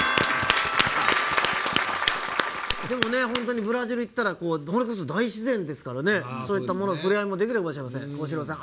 でも、本当にブラジルに行ったら大自然ですからそういった触れ合いもできるかもしれません。